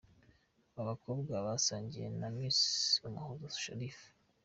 Aba bakobwa basangiye na Miss Umuhoza Sharifah.